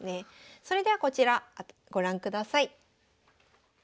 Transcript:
それではこちらご覧ください。